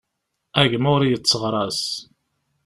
A gma ur yetteɣras.